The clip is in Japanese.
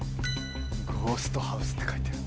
「ゴーストハウス」って書いてる。